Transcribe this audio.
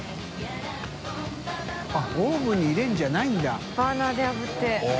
△オーブンに入れるんじゃないんだ。